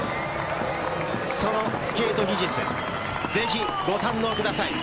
そのスケート技術、ぜひご堪能ください。